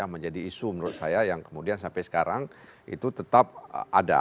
menjadi isu menurut saya yang kemudian sampai sekarang itu tetap ada